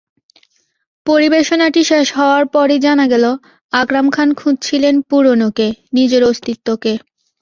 পরিবেশনাটি শেষ হওয়ার পরই জানা গেল, আকরাম খান খুঁজছিলেন পুরোনোকে, নিজের অস্তিত্বকে।